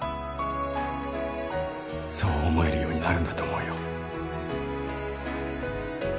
そう思えるようになるんだと思うよ。